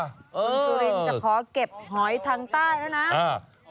คุณสุรินจะขอเก็บหอยทางใต้แล้วนะ